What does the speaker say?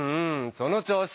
そのちょうし！